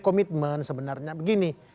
komitmen sebenarnya begini